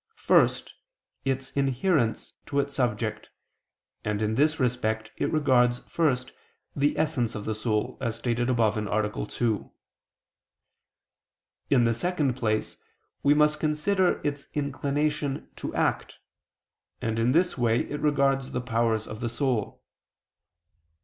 First, its inherence to its subject; and in this respect it regards first the essence of the soul, as stated above (A. 2). In the second place we must consider its inclination to act; and in this way it regards the powers of the soul.